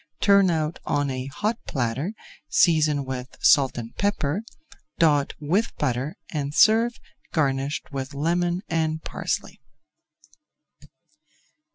Turn out on a hot platter; season with salt and pepper, dot with butter, and serve garnished with lemon and parsley.